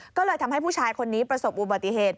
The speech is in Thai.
ก็เลยทำให้ผู้ชายคนนี้ประสบอุบัติเหตุ